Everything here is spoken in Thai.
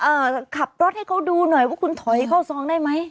ขับรถให้เขาดูหน่อยว่าคุณถอยเข้าซองได้ไหม